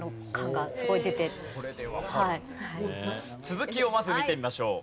続きをまず見てみましょう。